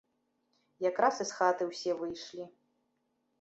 Якраз і з хаты ўсе выйшлі.